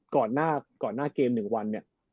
ก่อนหน้าเกมหนึ่งวัน๙๑๑